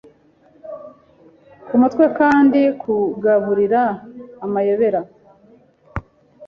kumutweKandi Kugaburira Amayobera